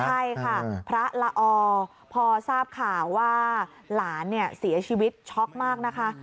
ใช่ค่ะพระละอพอทราบข่าวว่าหลานเนี่ยเสียชีวิตช็อกมากนะคะ